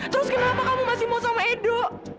terus kenapa kamu masih mau sama edo